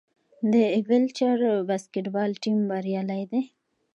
د ویلچیر باسکیټبال ټیم بریالی دی.